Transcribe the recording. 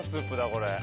これ。